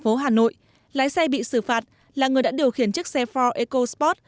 công an tp hà nội lái xe bị xử phạt là người đã điều khiển chiếc xe ford ecosport